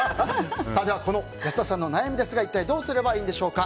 この安田さんの悩みですが一体どうすればいいんでしょうか。